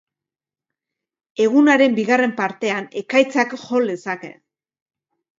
Egunaren bigarren partean, ekaitzak jo lezake.